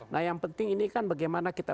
nah yang penting ini kan bagaimana kita